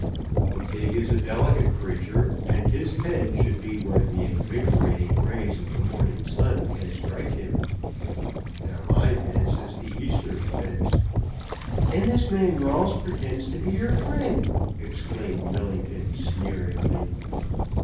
The pig is a delicate creature, and his pen should be where the invigorating rays of the morning sun can strike him. Now my fence is the eastern fence " "And this man Rolfs pretends to be your friend!" exclaimed Millington sneeringly.